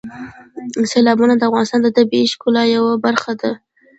سیلابونه د افغانستان د طبیعت د ښکلا یوه برخه ده.